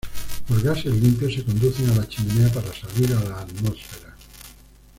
Los gases limpios se conducen a la chimenea para salir a la atmósfera.